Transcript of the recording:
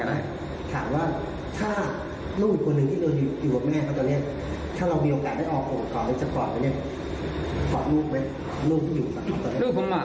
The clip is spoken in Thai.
ถ้าลูกคนหนึ่งที่โดนอยู่อยู่กับแม่เขาตอนเนี้ยถ้าเรามีโอกาสได้ออกก่อนหรือจะปลอดไปเลี้ยง